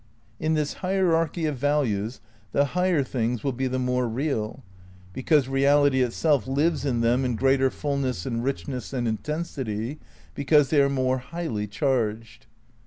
In this hierarchy of values the higher things will be the more real, because Eeality itself lives in them in greater fullness and richness and intensity, because they are more highly charged.